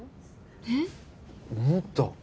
えっ？思った。